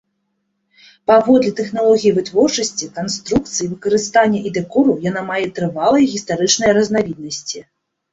Паводле тэхналогіі вытворчасці, канструкцый, выкарыстання і дэкору яна мае трывалыя гістарычныя разнавіднасці.